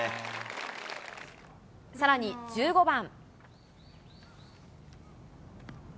さらに、１５番。